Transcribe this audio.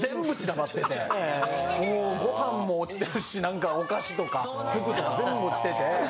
もうご飯も落ちてるし何かお菓子とかくずとか全部落ちてて。